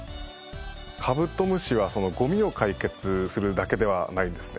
カブトムシはゴミを解決するだけではないんですね。